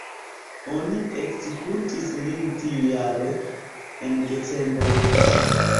Oni ekzekutis lin tiujare, en decembro.